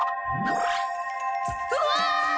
うわ！